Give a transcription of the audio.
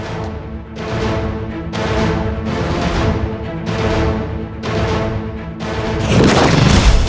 kau akan menang